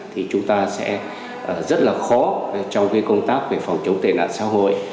thì chúng ta sẽ rất là khó trong công tác về phòng chống tệ nạn xã hội